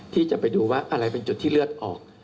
ที่จะไปดูว่าอะไรเป็นจุดที่เลือดออก